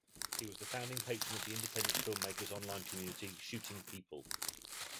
He was the founding patron of the independent filmmakers online community Shooting People.